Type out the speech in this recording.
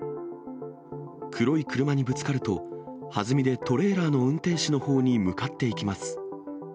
黒い車にぶつかると、弾みでトレーラーの運転手のほうに向かっていきます。